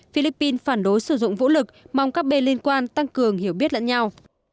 philippines phản đối sử dụng vũ lực mong các bên liên quan tăng cường hiểu biết lẫn nhau